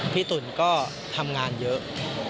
ตุ๋นก็ทำงานเยอะ